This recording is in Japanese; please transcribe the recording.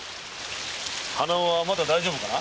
鼻緒はまだ大丈夫かな？